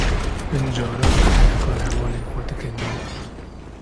Hin caran bi henekan hevalên xwe dikenînim.